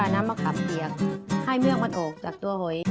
น้ำมะขำเปียกให้เงือกมันออกจากตัวหอย